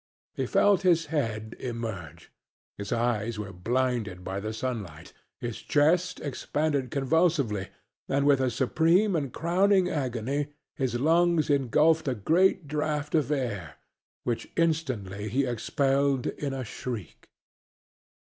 He felt his head emerge; his eyes were blinded by the sunlight; his chest expanded convulsively, and with a supreme and crowning agony his lungs engulfed a great draught of air, which instantly he expelled in a shriek!